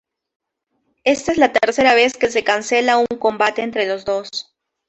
Esta es la tercera vez que se cancela un combate entre los dos.